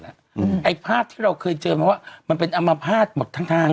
ไอ้ภาพที่เราเคยเจอมาว่ามันเป็นอมภาษณ์หมดทั้งทาง